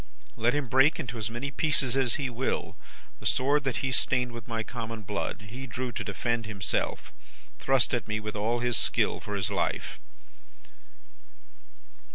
Let him break into as many pieces as he will, the sword that he stained with my common blood; he drew to defend himself thrust at me with all his skill for his life.